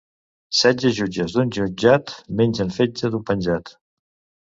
Setze jutges d'un jutjat mengen fetge d 'un penjat.